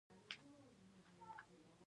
مصنوعي ځیرکتیا د انساني ارزښتونو ساتنه غواړي.